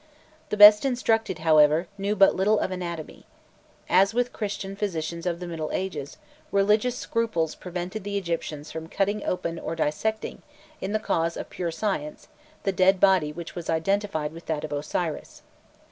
The best instructed, however, knew but little of anatomy. As with the Christian physicians of the Middle Ages, religious scruples prevented the Egyptians from cutting open or dissecting, in the cause of pure science, the dead body which was identified with that of Osiris.